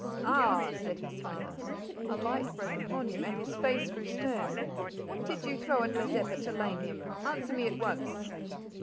"Horse ah!" said his father. A light broke upon him, and his face grew stern. "What did you throw at Mazeppa to lame him? Answer me at once."